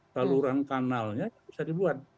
taluran kanalnya bisa dibuat